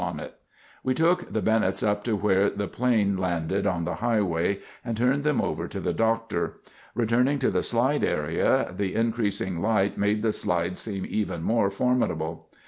(United Press International)] "We took the Bennetts up to where the plane landed on the highway and turned them over to the doctor. Returning to the slide area, the increasing light made the slide seem even more formidable.